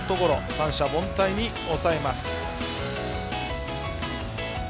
三者凡退に抑えます。